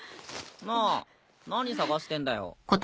なあ何捜してんだよ？